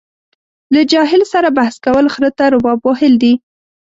له جاهل سره بحث کول خره ته رباب وهل دي.